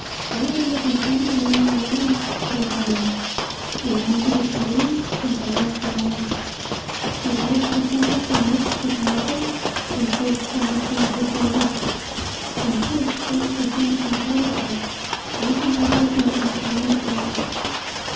"Lay her in the companionway on the lounge," said Venner. He ran to the saloon and brought up wine. He bathed her temples and wrists with the liquor, and forced some between her blue lips. And Pearse chafed her hands and patted them, gazing down at her in silent awe.